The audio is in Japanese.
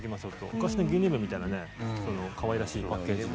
昔の牛乳瓶みたいなね可愛らしいパッケージで。